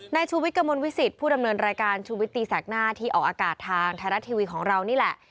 ชูวิทย์กระมวลวิสิตผู้ดำเนินรายการชูวิตตีแสกหน้าที่ออกอากาศทางไทยรัฐทีวีของเรานี่แหละ